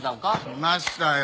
しましたよ！